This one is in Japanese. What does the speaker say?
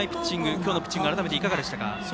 今日のピッチング改めていかがでしたか。